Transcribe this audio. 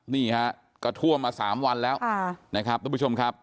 นี่ฮะก็ท่วมมา๓วันแล้วนะครับทุกผู้ชมครับ